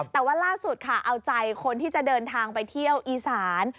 แต่ว่าล่าสุดค่ะเอาใจคนที่จะเดินทางไปเที่ยวอีสาน